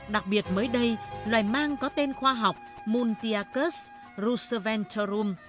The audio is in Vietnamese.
đặc biệt mới đây loài mang có tên khoa học muntiacus ruseventorum